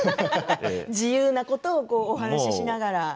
自由なことをお話ししながら。